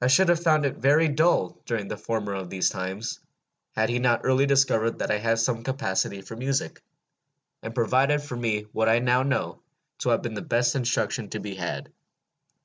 I should have found it very dull during the former of these times, had he not early discovered that I had some capacity for music, and provided for me what I now know to have been the best instruction to be had.